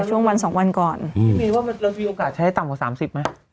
ช่วงวันสองวันก่อนอืมพี่มีว่ามันมันมีโอกาสใช้ต่ำกว่าสามสิบไหม